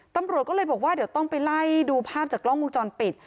ตำรวจก็เลยบอกว่าเดี๋ยวต้องไปไล่ดูภาพจากกล้องวงจรปิด